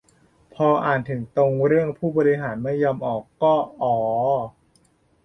พออ่านถึงตรงเรื่องผู้บริหารไม่ยอมออกก็ อ่อออ